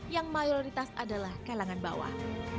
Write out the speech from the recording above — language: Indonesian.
yang mayoritas adalah kalangan bawah